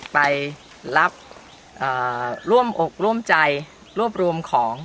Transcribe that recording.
ไปรับร่วมอกร่วมใจรวบรวมของ